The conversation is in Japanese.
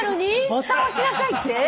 ボタン押しなさいって？